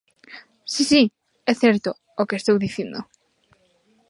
Si, si; é certo o que estou dicindo.